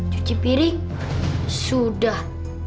cuci piring sudah